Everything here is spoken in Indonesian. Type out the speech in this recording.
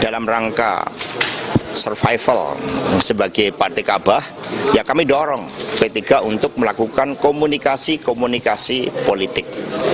dalam rangka survival sebagai partai kabah ya kami dorong p tiga untuk melakukan komunikasi komunikasi politik